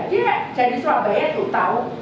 dia jadi surabaya itu tahu